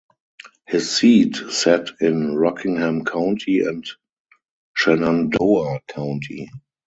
His seat sat in Rockingham County and Shenandoah County.